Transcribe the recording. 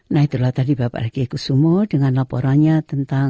nah itulah tadi bapak rg kusumo dengan laporannya tentang